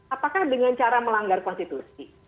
apakah dengan cara melanggar konstitusi